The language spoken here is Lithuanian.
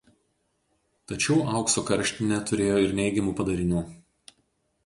Tačiau aukso karštinė turėjo ir "neigiamų padarinių".